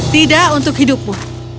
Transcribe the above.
tidak untuk hidupmu